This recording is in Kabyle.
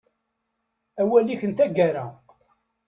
Awal-ik n taggara.